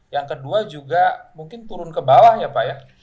yang kedua juga mungkin turun ke bawah ya pak ya